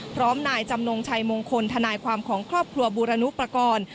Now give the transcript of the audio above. พร้อมนายจำนงชัยมงคลทนายความของครอบครัวบูรณุปกรณ์